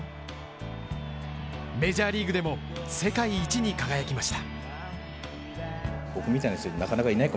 メジャーリーグでも世界一に輝きました。